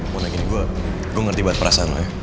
mona gini gue ngerti banget perasaan lo ya